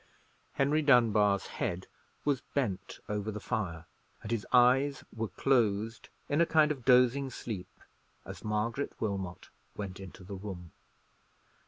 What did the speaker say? Henry Dunbar's head was bent over the fire, and his eyes were closed in a kind of dozing sleep, as Margaret Wilmot went into the room.